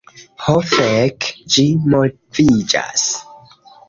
Ho fek', ĝi moviĝas!